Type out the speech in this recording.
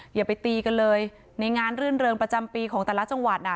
อย่าไปตีกันเลยในงานรื่นเริงประจำปีของแต่ละจังหวัดน่ะ